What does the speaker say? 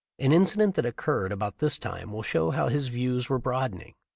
An incident that occurred about this time will show how his views were broad ening.